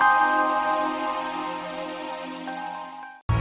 kalian duduk di sana